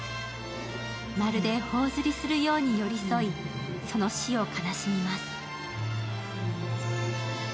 まるで頬ずりするように寄り添い、その死を悲しみます。